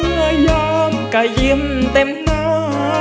เมื่อย้ำก็ยิ้มเต็มหน้า